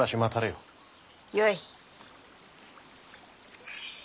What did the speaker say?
よい。